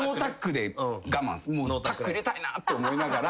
タック入れたいなと思いながら。